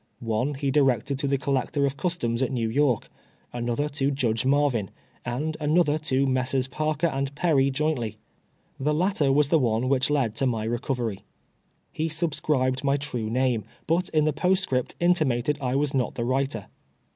One he directed to the Collector of Customs at New York, another to Judge Marvin, and another to Messrs. Parker and Perry joint ly. The latter was the one which led to my recovery. He subscribed my true name, but in the postscript in timated I was not the writer.